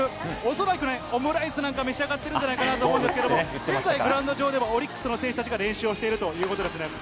恐らくね、オムライスなんか召し上がってるんじゃないかと思うんですけども、現在、グラウンド上では、オリックスの選手たちが練習をしているということですね。